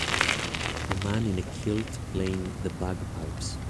A man in a kilt playing the bagpipes.